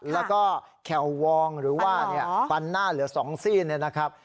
แล้วก็แข่ววองหรือว่าเนี่ยปันหน้าเหลือสองสิ้นนะครับ